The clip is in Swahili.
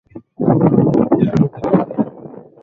weza kuiongoza uingereza katika miaka elfu tisa mia